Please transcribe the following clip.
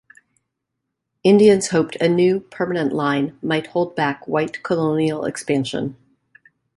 Indians hoped a new, permanent line might hold back white colonial expansion.